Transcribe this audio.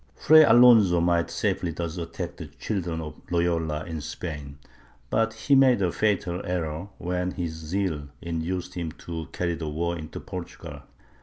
Fray Alonso might safely thus attack the children of Loyola in Spain, but he made a fatal error when his zeal induced him to carry the war into Portugal.